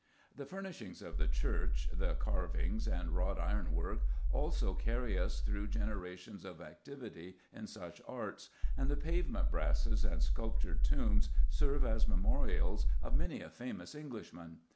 The furnishings of the church, the carvings and wrought iron work, also carry us through generations of activity in such arts, and the pavement brasses and sculptured tombs serve as memorials of many a famous Englishman.